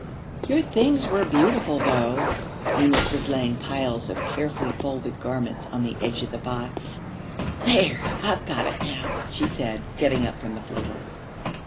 'Your things were beautiful, though.' Eunice was laying piles of carefully folded garments on the edge of the box. 'There, I've got it now,' she said, getting up from the floor.